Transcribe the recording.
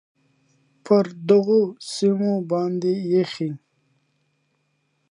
پر دغو سیمو باندې ایښی،